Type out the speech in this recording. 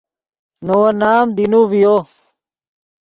نے ون نام دینو ڤیو